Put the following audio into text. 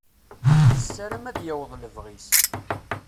Yessaram ad yaweḍ lebɣi-s.